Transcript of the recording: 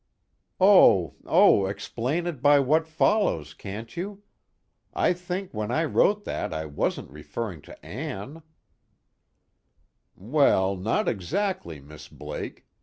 '" "Oh oh explain it by what follows, can't you? I think when I wrote that I wasn't referring to Ann." "Well, not exactly, Miss Blake.